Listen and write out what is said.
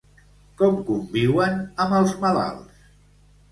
Com conviuen amb els malalts?